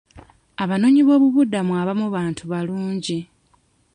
Abanoonyi b'obubudamu abamu bantu balungi.